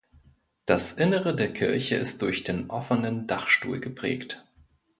Das Innere der Kirche ist durch den offenen Dachstuhl geprägt.